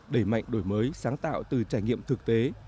đẩy mạnh đổi mới sáng tạo từ trải nghiệm thực tế